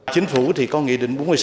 chính phủ thì có nghị định bốn